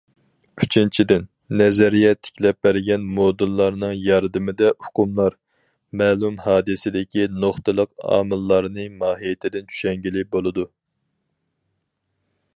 ئۈچىنچىدىن، نەزەرىيە تىكلەپ بەرگەن مودېللارنىڭ ياردىمىدە ئۇقۇملار، مەلۇم ھادىسىدىكى نۇقتىلىق ئامىللارنى ماھىيىتىدىن چۈشەنگىلى بولىدۇ.